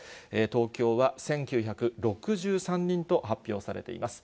東京は１９６３人と発表されています。